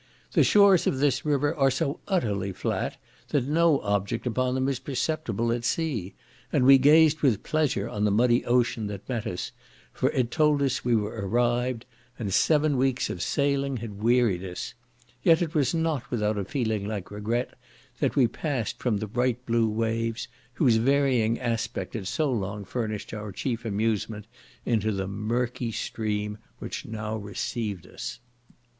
The shores of this river are so utterly flat, that no object upon them is perceptible at sea, and we gazed with pleasure on the muddy ocean that met us, for it told us we were arrived, and seven weeks of sailing had wearied us; yet it was not without a feeling like regret that we passed from the bright blue waves, whose varying aspect had so long furnished our chief amusement, into the murky stream which now received us.